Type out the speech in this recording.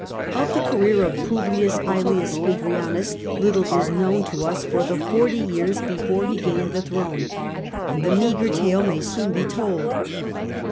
Of the career of P. life of ;KJjus Hadrianus, little is known to us for the forty years before he gained the throne, and the meagre tale may be soon told.